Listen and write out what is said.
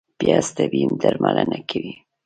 پیاز طبیعي درملنه کوي